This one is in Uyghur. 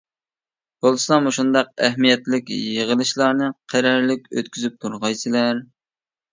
بولسا مۇشۇنداق ئەھمىيەتلىك يىغىلىشلارنى قەرەللىك ئۆتكۈزۈپ تۇرغايسىلەر.